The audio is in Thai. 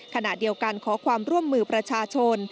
ขณะเดียวกันขอความร่วมมือประชาชน